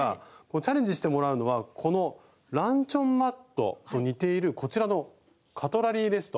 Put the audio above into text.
チャレンジしてもらうのはこのランチョンマットと似ているこちらのカトラリーレスト。